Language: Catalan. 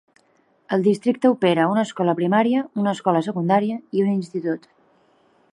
El districte opera una escola primària, una escola secundària i un institut.